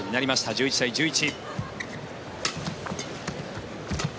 １１対１１。